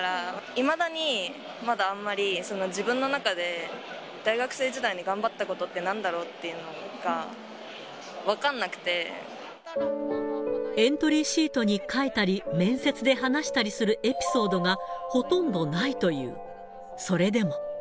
いまだにまだあんまり自分の中で、大学生時代に頑張ったことってなんだろうっていうのが分かんなくエントリーシートに書いたり、面接で話したりするエピソードが、ほとんどないという。